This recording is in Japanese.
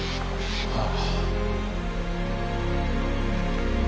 ああ。